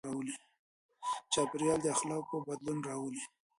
چاپېريال د اخلاقو بدلون راولي.